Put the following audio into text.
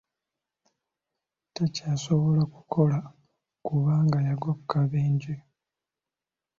Takyasobola kukola kubanga yagwa ku kabenje.